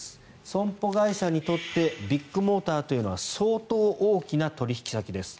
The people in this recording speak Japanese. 損保会社にとってビッグモーターというのは相当大きな取引先です。